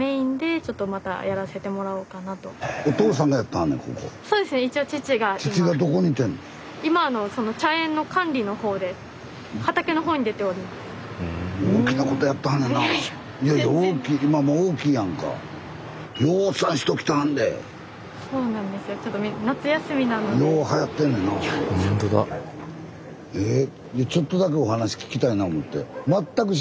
ちょっとだけお話聞きたいな思て。